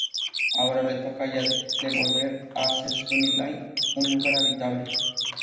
Ahora le toca a ella de volver a hacer de Sunnydale un lugar habitable.